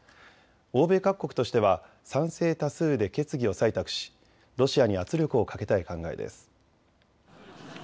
欧米各国としては賛成多数で決議を採択しロシアに圧力をかけたい考えです。